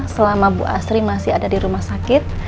selama bu asri masih ada di rumah sakit